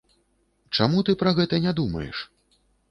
Чаму ты пра гэта не думаеш?